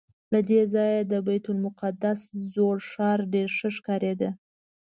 له دې ځایه د بیت المقدس زوړ ښار ډېر ښه ښکارېده.